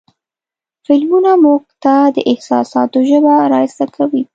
فلمونه موږ ته د احساساتو ژبه را زده کوي.